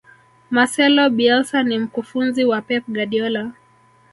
marcelo bielsa ni mkufunzi wa pep guardiola